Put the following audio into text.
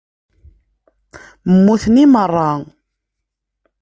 Muten i meṛṛa.